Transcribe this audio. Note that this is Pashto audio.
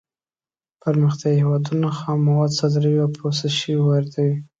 پرمختیايي هېوادونه خام مواد صادروي او پروسس شوي واردوي.